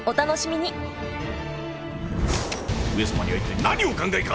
上様には一体何をお考えか。